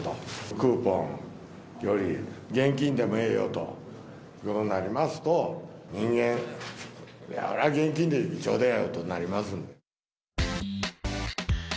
クーポンより現金でもええよとなりますと、人間、そりゃ現金でちょうだいよとなりますので。